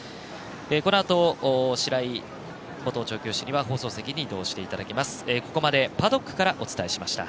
このあと、白井元調教師放送席に移動していただきます。